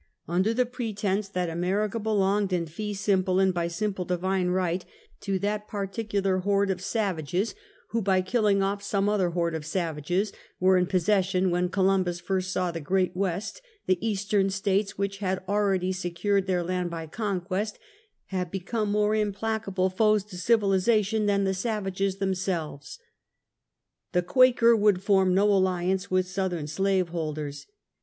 Under the pretense that America belonged, in fee simple, and by special divine right, to that particular 15 226 Half a Centuet. hoard of savages, "who, by killing off some other hoard of savages, were in possession when Columbus first saw the Great West, the Eastern States, which had al ready secured their land by conquest, have become more implacable foes to civilization than the savages themselves. The Quaker would form no alliance with Southern slave holders.